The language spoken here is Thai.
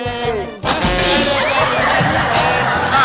แม่หน้า